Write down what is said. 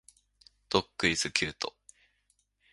Dog is cute.